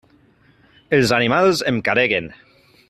Els animals em carreguen.